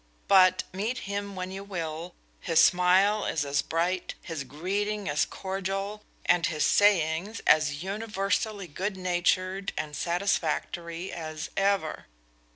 But, meet him when you will, his smile is as bright, his greeting as cordial, and his sayings as universally good natured and satisfactory as ever.